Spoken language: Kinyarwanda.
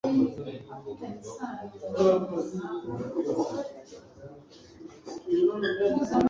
izindi nzego zose zihabwa ububasha nayo